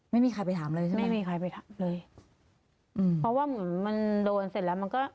ไม่มีใครไปถามเลยใช่ไหมไม่มีใครไปเลยอืมเพราะว่าเหมือนมันโดนเสร็จแล้วมันก็